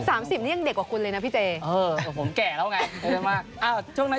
สามสิบนี่ยังเด็กกว่าคุณเลยนะพี่เจ